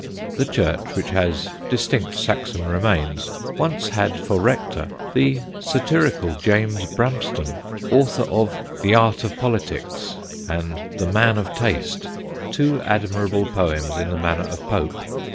The church, which has distinct Saxon remains, once had for rector the satirical James Bramston, author of "The Art of Politics" and "The Man of Taste," two admirable poems in the manner of Pope.